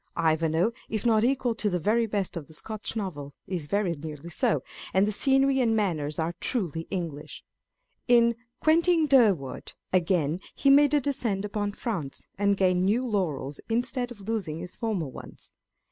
IvanJwe, if not equal to the very best of the Scotch Novels, is very nearly so ; and the scenery and manners are truly English. In Quentin Durward, again, he made a descent upon France, and gained new laurels, instead of losing his former ones.